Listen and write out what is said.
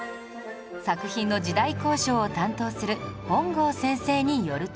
作品の時代考証を担当する本郷先生によると